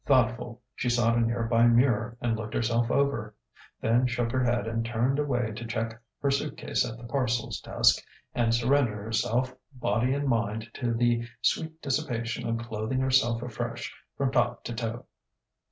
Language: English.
Thoughtful, she sought a nearby mirror and looked herself over, then shook her head and turned away to check her suit case at the parcels desk and surrender herself body and mind to the sweet dissipation of clothing herself afresh from top to toe....